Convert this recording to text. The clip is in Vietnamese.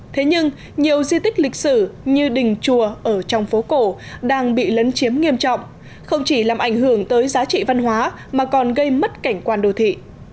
thế nhưng nhiều di tích lịch sử như đình chùa ở trong phố cổ đang bị lấn chiếm nghiêm trọng không chỉ làm ảnh hưởng tới giá trị văn hóa mà còn gây mất cảnh quan đô thị